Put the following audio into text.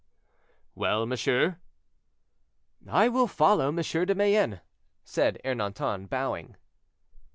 '" "Well, monsieur?" "I will follow M. de Mayenne," said Ernanton, bowing.